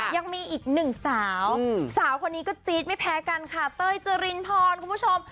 ยังมีอีกหนึ่งสาวสาวคนนี้ก็จี๊ดไม่แพ้กันค่ะเต้ยเจรินพรคุณผู้ชม